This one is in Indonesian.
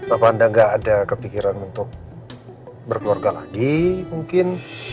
apa anda nggak ada kepikiran untuk berkeluarga lagi mungkin